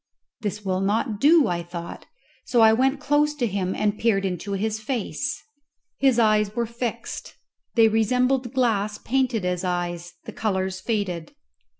This will not do, thought I; so I went close to him and peered into his face. His eyes were fixed; they resembled glass painted as eyes, the colours faded.